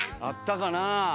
あったかなあ。